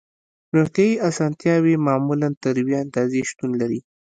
روغتیایی اسانتیاوې معمولاً تر یوې اندازې شتون لري